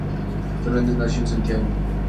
Fernández nació en Santiago.